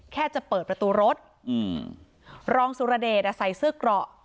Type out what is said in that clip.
แค่จะเปิดประตูรถอืมรองสุรเดชอ่ะใส่เสื้อเกราะ